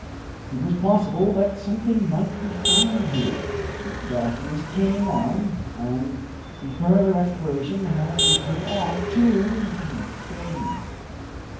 It was possible that something might be found here, but darkness came on, and the further exploration had to be put off to the next day.